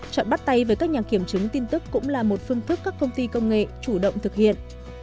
chọn bắt tay với các nhà kiểm chứng tin tức cũng là một phương thức các công ty công nghệ chủ động thực hiện